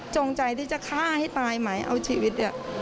จงใจที่จะฆ่าให้ตายไหมเอาชีวิต